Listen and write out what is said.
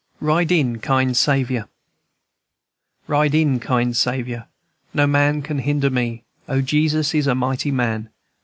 RIDE IN, KIND SAVIOUR. "Ride in, kind Saviour! No man can hinder me. O, Jesus is a mighty man!